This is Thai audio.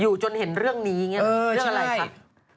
อยู่จนเห็นเรื่องนี้อย่างงี้เรื่องอะไรคะ